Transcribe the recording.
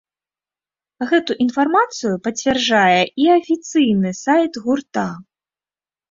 Гэту інфармацыю пацвярджае і афіцыйны сайт гурта.